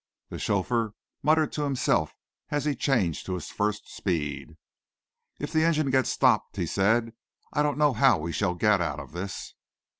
The chauffeur muttered to himself as he changed to his first speed. "If the engine gets stopped," he said, "I don't know how we shall get out of this."